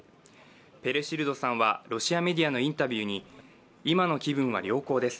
ペレシルドさんはロシアメディアのインタビューに今の気分は良好です。